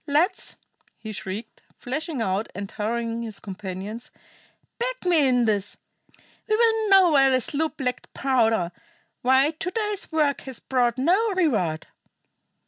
Lads " he shrieked, flashing about and haranguing his companions "back me in this. We will know why the sloop lacked powder; why to day's work has brought no reward!"